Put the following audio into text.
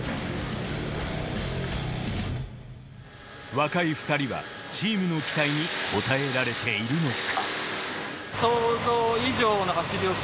若い２人はチームの期待に応えられているのか？